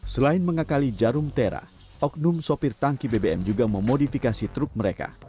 selain mengakali jarum tera oknum sopir tangki bbm juga memodifikasi truk mereka